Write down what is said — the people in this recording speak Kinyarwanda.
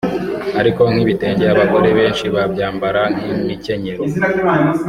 Ariko nk'ibitenge abagore benshi babyambara nk'imikenyero